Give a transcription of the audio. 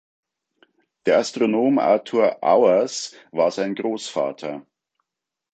Der Astronom Arthur Auwers war sein Großvater.